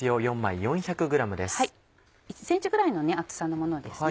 １ｃｍぐらいの厚さのものです。